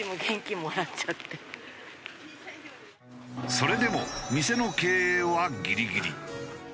それでも店の経営はギリギリ。